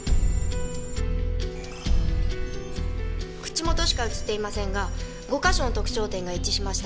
口元しか映っていませんが５か所の特徴点が一致しました。